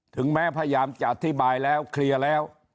ถึงแม้พยายามจะอธิบายแล้วเคลียร์แล้ว